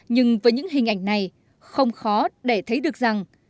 nhưng với những hình ảnh này không khó để thấy được rằng